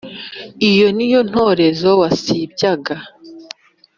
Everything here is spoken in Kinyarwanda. iyo ni ya ntorezo wansibyaga